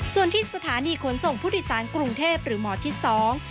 ส่วนที่สถานีขนส่งผู้โดยสารกรุงเทพหรือหมอชิดสอง